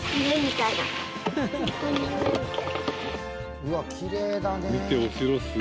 うわきれいだね。